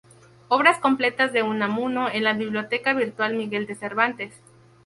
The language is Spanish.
Obras completas de Unamuno en la Biblioteca Virtual Miguel de Cervantes.